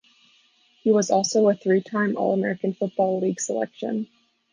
He was also a three-time all-American Football League selection.